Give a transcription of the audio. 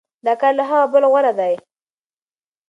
دا کار له هغه بل غوره دی.